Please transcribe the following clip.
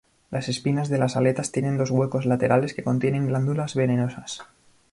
Las espinas de las aletas tienen dos huecos laterales que contienen glándulas venenosas.